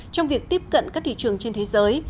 trong việc tiếp cận các thị trường trên thế giới